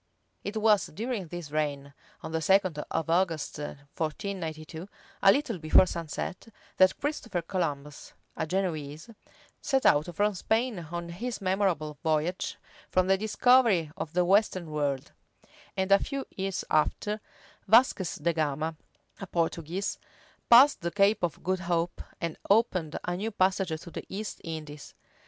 It was during this reign, on the second of August, 1492, a little before sunset, that Christopher Columbus, a Genoese, set out from Spain on his memorable voyage for the discovery of the western world; and a few years after, Vasquez de Gama, a Portuguese, passed the Cape of Good Hope, and opened a new passage to the East Indies.